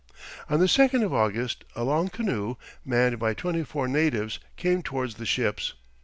On the 2nd of August a long canoe, manned by twenty four natives, came towards the ships.